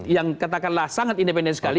yang katakanlah sangat independen sekali